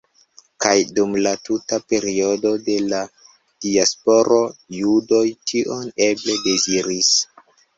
Kaj dum la tuta periodo de la Diasporo judoj tion eble deziris.